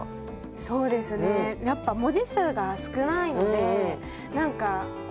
そうですねやっぱ文字数が少ないので「あれも言いたい」